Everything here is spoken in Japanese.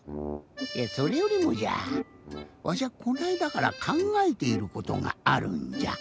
いやそれよりもじゃわしはこのあいだからかんがえていることがあるんじゃ。